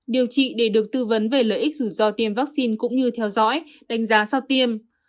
điều trị để được tư vấn về lợi ích rủi ro tiêm vaccine cũng như theo dõi đánh giá sau tiêm